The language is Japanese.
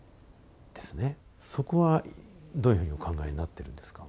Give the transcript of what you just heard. そこはどういうふうにお考えになってるんですか？